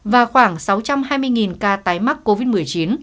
và khoảng sáu trăm hai mươi ca tái mắc covid một mươi chín